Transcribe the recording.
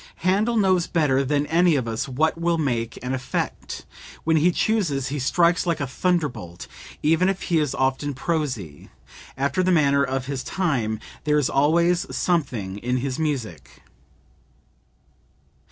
"Handel knows better than any of us what will make an effect; when he chooses he strikes like a thunderbolt; even if he is often prosy, after the manner of his time, there is always something in his music."